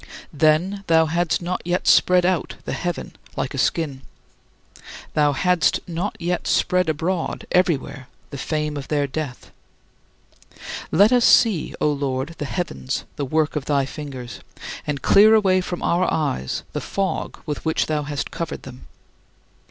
Then thou hadst not yet spread out the heaven like a skin; thou hadst not yet spread abroad everywhere the fame of their death. 17. Let us see, O Lord, "the heavens, the work of thy fingers," and clear away from our eyes the fog with which thou hast covered them.